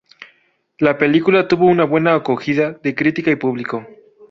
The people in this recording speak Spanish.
La película tuvo una buena acogida de crítica y público.